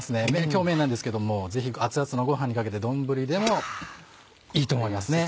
今日めんなんですけどもぜひ熱々のご飯にかけて丼でもいいと思いますね。